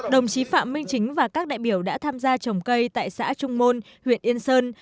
đồng chí phạm minh chính và các đại biểu đã tham gia trồng cây tại xã trung môn huyện yên sơn